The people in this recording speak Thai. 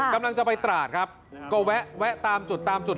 กำลังจะไปตราดครับก็แวะตามจุดตามจุด